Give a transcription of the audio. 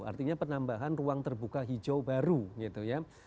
artinya penambahan ruang terbuka hijau baru gitu ya